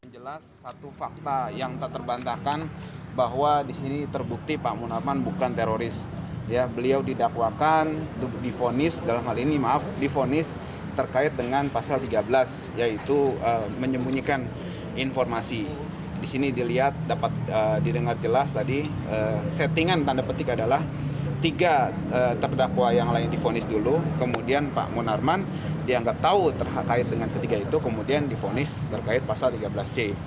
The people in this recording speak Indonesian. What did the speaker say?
jadi settingan tanda petik adalah tiga terdakwa yang lain difonis dulu kemudian pak munarman dianggap tahu terkait dengan ketiga itu kemudian difonis terkait pasal tiga belas c